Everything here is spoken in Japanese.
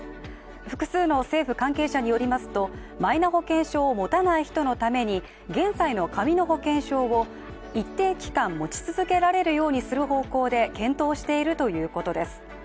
複数の政府関係者によりますとマイナ保険証を持たない人のために現在の紙の保険証を一定期間持ち続けられるようにする方向で検討しているということです。